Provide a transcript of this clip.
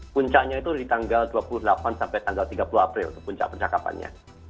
puncaknya itu di tanggal dua puluh delapan sampai tanggal tiga puluh april puncak percakapannya